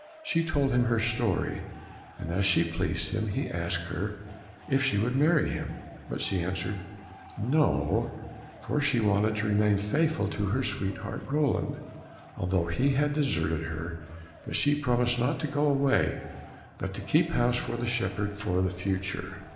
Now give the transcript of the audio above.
She told him her story, and as she pleased him he asked her if she would marry him, but she answered, "No," for she wanted to remain faithful to her sweetheart Roland, although he had deserted her, but she promised not to go away, but to keep house for the shepherd for the future.